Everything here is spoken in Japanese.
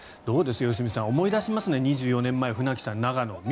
どうです、良純さん思い出しますね、２４年前船木さん、長野。